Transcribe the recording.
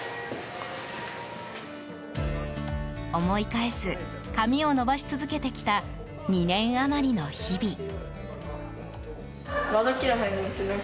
思い返す髪を伸ばし続けてきた２年余りの日々。